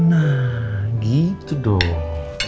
nah gitu dong